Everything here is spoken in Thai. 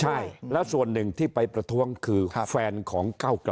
ใช่แล้วส่วนหนึ่งที่ไปประท้วงคือแฟนของเก้าไกล